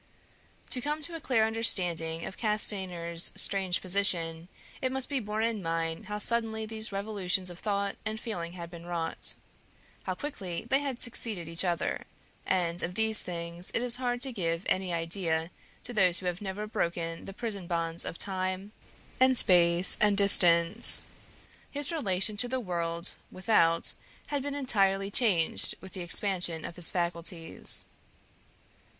To come to a clear understanding of Castanier's strange position, it must be borne in mind how suddenly these revolutions of thought and feeling had been wrought; how quickly they had succeeded each other; and of these things it is hard to give any idea to those who have never broken the prison bonds of time, and space, and distance. His relation to the world without had been entirely changed with the expansion of his faculties.